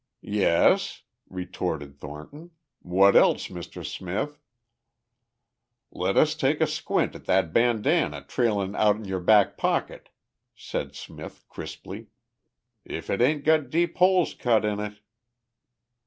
"Yes?" retorted Thornton. "What else, Mr. Smith?" "Let us take a squint at that bandana trailin' out'n your back pocket," said Smith crisply. "If it ain't got deep holes cut in it!"